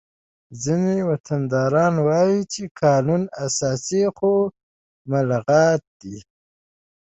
ځینې وطنداران وایي چې قانون اساسي خو ملغا دی